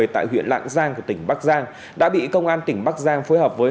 tại huyện lạng giang của tỉnh bắc giang đã bị công an tỉnh bắc giang phối hợp với